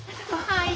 はい。